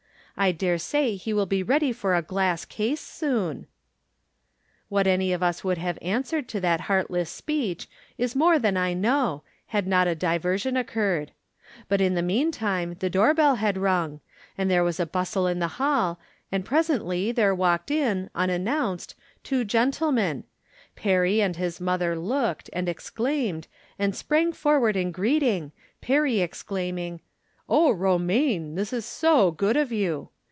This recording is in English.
I dare say he will be ready for a glass case soon !" What any of us would have answered to that heartless speech is more than I know, had not a diversion occurred. But in the meantime the door bell had rung ; there was a bustle in the hall, and presently there walked in, unannounced, two gentlemen. Perry and his mother looked, and exclaimed, and sprang forward in greeting, Perry exclaiming :" Oh, Romaine, this is so good of you